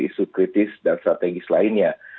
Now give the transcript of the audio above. isu kritis dan strategis lainnya